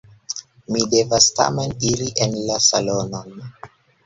Mi devas tamen iri en la salonon.